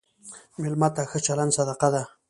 مېلمه ته ښه چلند صدقه ده.